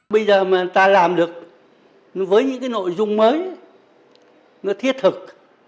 bây giờ mà ta làm được với những cái nội dung mới nó thiết thực